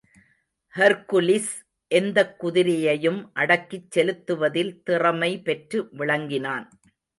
Hercules எந்தக் குதிரையையும் அடக்கிச் செலுத்துவதில் திறமை பெற்று விளங்கினான்.